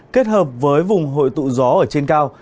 kết hợp với vùng hội tụ gió ở trên cao